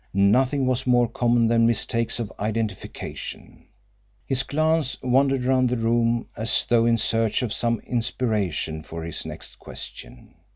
Nothing was more common than mistakes of identification. His glance wandered round the room, as though in search of some inspiration for his next question.